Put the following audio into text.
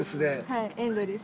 はいエンドレス。